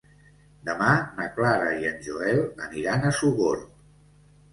Demà na Clara i en Joel aniran a Sogorb.